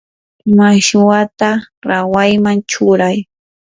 mashwata rawayman churay.